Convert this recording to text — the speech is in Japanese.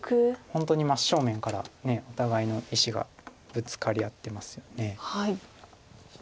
本当に真正面からお互いの石がぶつかり合ってますよね。